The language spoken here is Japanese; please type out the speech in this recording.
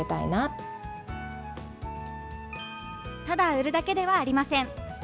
ただ売るだけではありません。